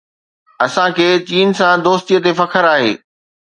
اسان کي چين سان دوستي تي فخر آهي.